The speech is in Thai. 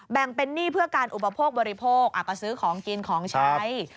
แบ่งเป็นหนี้เพื่อการอุปโภคบริโภคก็ซื้อของกินของใช้